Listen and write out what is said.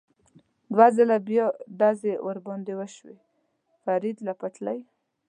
دوه ځله بیا ډزې را باندې وشوې، فرید له پټلۍ.